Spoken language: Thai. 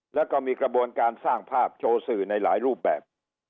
แล้วก็มีกระบวนการสร้างภาพโชว์สื่อในหลายรูปแบบ